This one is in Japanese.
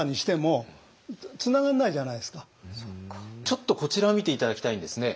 ちょっとこちらを見て頂きたいんですね。